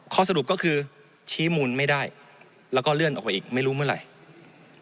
ข้อสรุปก็คือชี้มูลไม่ได้แล้วก็เลื่อนออกไปอีกไม่รู้เมื่อไหร่